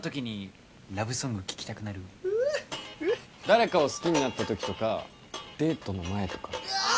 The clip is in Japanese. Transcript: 誰かを好きになった時とかデートの前とかああ！